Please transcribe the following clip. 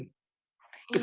itu organisasi itu